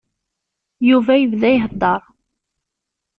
Yuba yebda iheddeṛ.